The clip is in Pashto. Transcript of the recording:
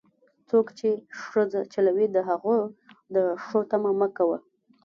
څوک چې ښځې چلوي، له هغو د ښو تمه مه کوه.